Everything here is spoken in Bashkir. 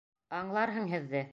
Аңларһың һеҙҙе!